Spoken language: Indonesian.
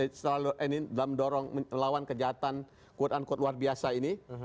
dalam mendorong melawan kejahatan quote unquote luar biasa ini